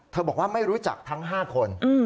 บอกว่าไม่รู้จักทั้ง๕คน